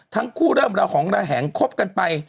ทั้งคู่เริ่มระหองระแหงคบกันไป